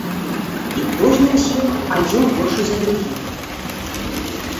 І кожны з іх адзін горшы за другі.